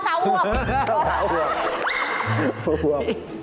ชาวหวบค่ะฉวบ